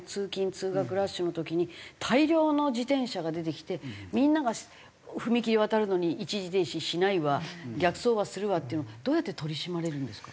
通学ラッシュの時に大量の自転車が出てきてみんなが踏切を渡るのに一時停止しないわ逆走はするわっていうのはどうやって取り締まれるんですか？